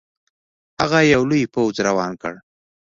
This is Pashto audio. هغه یو لوی پوځ روان کړ.